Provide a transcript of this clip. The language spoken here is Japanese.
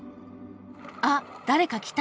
あっ誰か来た！